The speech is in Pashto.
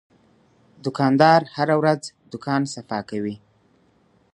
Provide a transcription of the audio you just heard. دوکاندار هره ورځ دوکان صفا کوي.